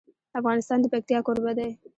افغانستان د پکتیا کوربه دی.